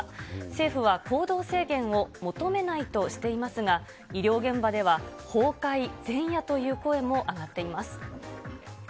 政府は行動制限を求めないとしていますが、医療現場では、崩壊前夜という声も上がっています。